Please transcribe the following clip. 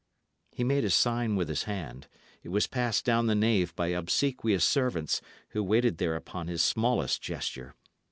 He made a sign with his hand; it was passed down the nave by obsequious servants, who waited there upon his smallest gesture.